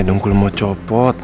dengkul mau copot